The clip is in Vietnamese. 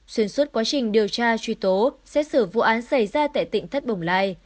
xuyên suốt quá trình điều tra truy tố xét xử vụ án xảy ra tại tỉnh thất bồng lai